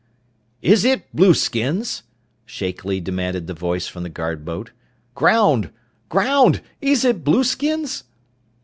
_" "Is it blueskins?" shakily demanded the voice from the guard boat. "Ground! Ground! Is it blueskins?"